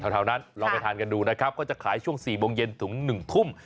แถวนั้นลองไปทานกันดูนะครับก็จะขายช่วง๔โมงเย็นถึง๑ทุ่ม